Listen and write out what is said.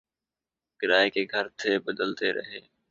Kiray K Ghar Thay Badalty Rahay